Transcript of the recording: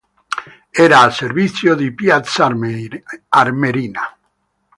Era a servizio di Piazza Armerina.